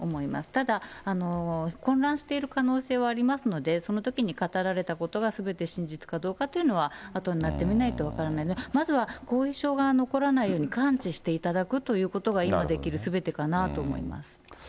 ただ、混乱している可能性はありますので、そのときに語られたことがすべて真実かどうかというのは、後になってみないと分からないので、まずは後遺症が残らないように、完治していただくということが今できるすべてかなと思います。